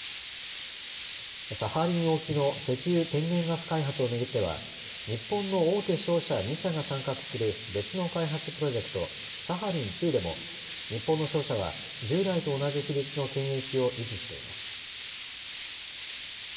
サハリン沖の石油・天然ガス開発を巡っては日本の大手商社２社が参画する別の開発プロジェクト、サハリン２でも日本の商社は従来と同じ比率の権益を維持しています。